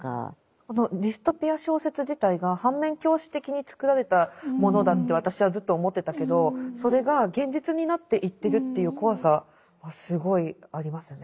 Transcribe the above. このディストピア小説自体が反面教師的に作られたものだって私はずっと思ってたけどそれが現実になっていってるっていう怖さはすごいありますね。